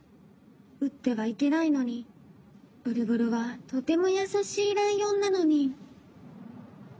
うってはいけないのにブルブルはとてもやさしいライオンなのに。